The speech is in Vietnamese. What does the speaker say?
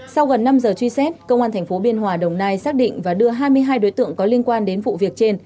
sau gần năm giờ truy xét công an tp biên hòa đồng nai xác định và đưa hai mươi hai đối tượng có liên quan đến vụ việc trên